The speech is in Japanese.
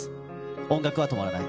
音楽は止まらない。